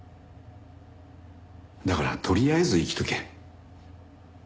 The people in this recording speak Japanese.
だからとりあえず生きとけ。